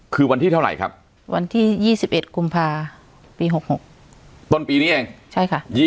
คือวันที่เท่าไหร่ครับวันที่๒๑กุมภาปี๖๖ต้นปีนี้เองใช่ค่ะ